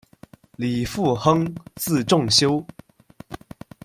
李复亨，字仲修。